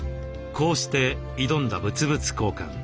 こうして挑んだ物々交換。